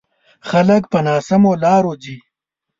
خلک په ناسمو لارو ځي.